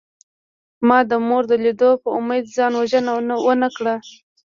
ما د مور د لیدو په امید ځان وژنه ونکړه